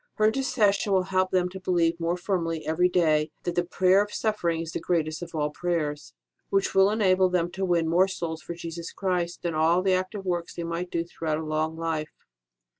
Her inter cession will help them to believe more firmly every day that the prayer of suffering is the greatest of all prayers, which will enable them to win more souls for Jesus Christ than all the active works they might do throughout a long life.